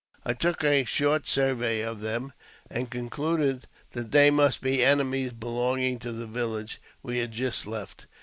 I took a short survey of them, and concluded that they must be enemies belonging to the village we had just left.